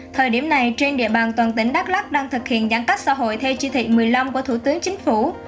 thời điểm này trên địa bàn toàn tỉnh đắk lắc đang thực hiện giãn cách xã hội theo chỉ thị một mươi năm của thủ tướng chính phủ